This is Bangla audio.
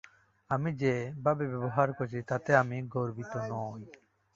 আমি যে ভাবে ব্যবহার করেছি তাতে আমি গর্বিত নই।